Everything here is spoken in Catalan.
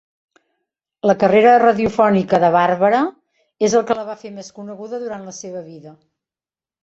La carrera radiofònica de Barbara és el que la va fer més coneguda durant la seva vida.